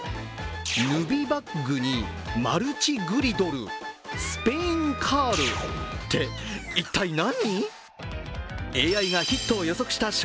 ヌビバッグに、マルチグリドル、スペインカールって一体何？